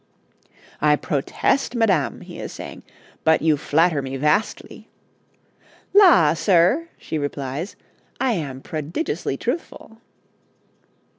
'I protest, madam,' he is saying, 'but you flatter me vastly.' 'La, sir,' she replies, 'I am prodigiously truthful.'